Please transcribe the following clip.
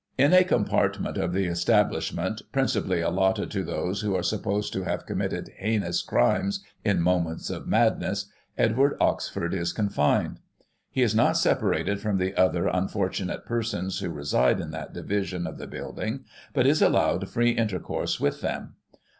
In a compartment of the establishment, principally cJlotted to those who are supposed to have committed heinous crimes in moments of madness, Edward Oxford is confined. He is not separated from the other tmfortunate persons who reside in that division of the building, but is allowed free intercourse with them.